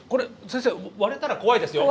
先生割れたら怖いですよ！